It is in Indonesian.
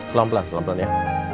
pelan pelan pelan pelan ya